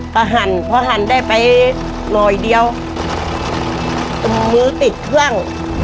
ก็หั่นพอหั่นได้ไปหน่อยเดียวตรงมือติดเครื่อง